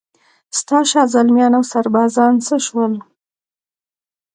ستا شازلمیان اوسربازان څه شول؟